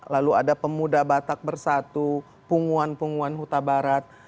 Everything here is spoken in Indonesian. lalu ada pemuda batak bersatu punggungan punggungan huta barat